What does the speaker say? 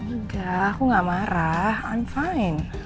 enggak aku gak marah on fine